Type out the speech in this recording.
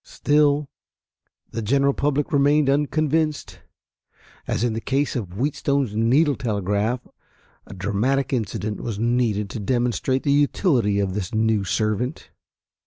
Still the general public remained unconvinced. As in the case of Wheatstone's needle telegraph a dramatic incident was needed to demonstrate the utility of this new servant.